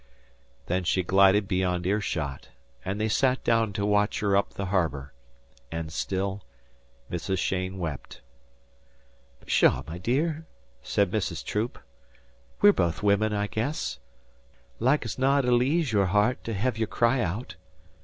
Then she glided beyond ear shot, and they sat down to watch her up the harbour, And still Mrs. Cheyne wept. "Pshaw, my dear," said Mrs. Troop: "we're both women, I guess. Like's not it'll ease your heart to hev your cry aout.